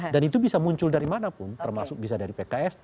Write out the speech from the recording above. dan itu bisa muncul dari mana pun termasuk bisa dari pks